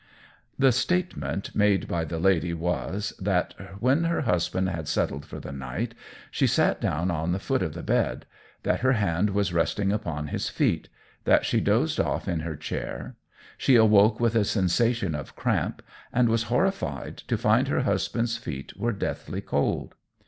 The statement made by the lady was, that when her husband had settled for the night she sat down at the foot of the bed; that her hand was resting upon his feet; that she dozed off in her chair; she awoke with a sensation of cramp, and was horrified to find her husband's feet were deathly cold.